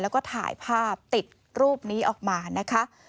แล้วก็ถ่ายภาพติดรูปนี้ออกมานะคะ